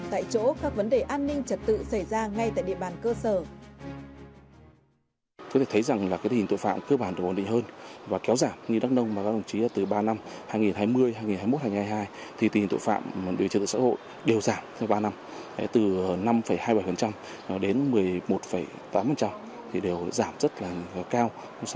tại chỗ các vấn đề an ninh trật tự xảy ra ngay tại địa bàn cơ sở